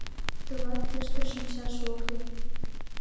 Тылат тыште шинчаш ок лий!